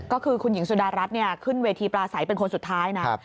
ก็คือคุณหญิงสุดารัฐเนี่ยขึ้นเวทีปลาสายเป็นคนสุดท้ายนะครับ